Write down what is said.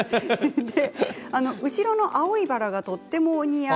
後ろの青いバラがとてもお似合い。